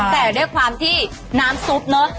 แต่ด้วยความที่น้ำซุปเนอะ